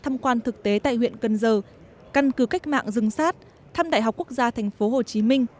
tham quan thực tế tại huyện cần giờ căn cứ cách mạng rừng sát thăm đại học quốc gia tp hcm